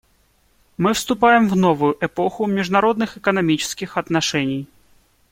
Мы вступаем в новую эпоху международных экономических отношений.